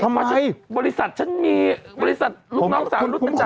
ทำไมบริษัทฉันมีบริษัทลูกน้องสาวนุ่มนั้นจัดอยู่